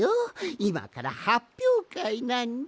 いまからはっぴょうかいなんじゃ。